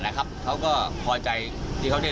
เมื่อวานแบงค์อยู่ไหนเมื่อวาน